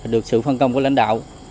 được sự phân công của lãnh đạo